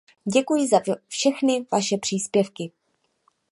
Děkuji za všechny vaše příspěvky.